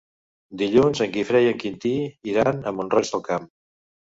Dilluns en Guifré i en Quintí iran a Mont-roig del Camp.